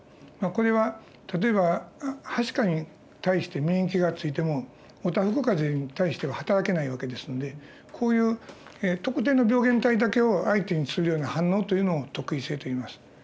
これは例えばはしかに対して免疫がついてもおたふく風邪に対してははたらけない訳ですのでこういう特定の病原体だけを相手にするような反応というのを特異性といいます。